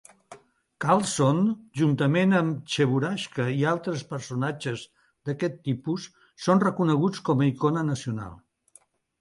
Karlsson, juntament amb Cheburashka i altres personatges d'aquest tipus, són reconeguts com a icona nacional.